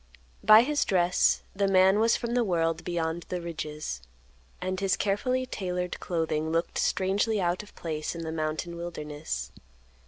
By his dress, the man was from the world beyond the ridges, and his carefully tailored clothing looked strangely out of place in the mountain wilderness.